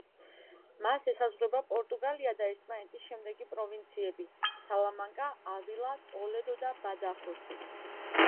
მას ესაზღვრება პორტუგალია და ესპანეთის შემდეგი პროვინციები: სალამანკა, ავილა, ტოლედო და ბადახოსი.